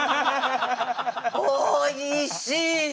おいしい！